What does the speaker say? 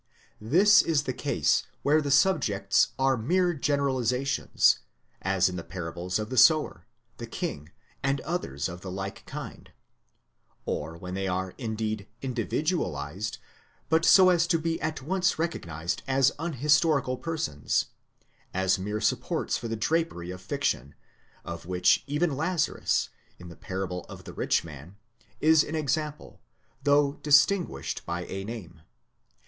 5 'This is the case where the subjects are mere generaliza tions, as in the parables of the sower, the king, and others of a like kind; or when they are, indeed, individualized, but so as to be at once recognized as unhistorical persons, as mere supports for the drapery of fiction, of which even Lazarus, in the parable of the rich man, is an example, though distinguished by aname.